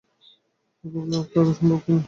তাই ভাবলাম এটা আদৌ সম্ভব কিনা।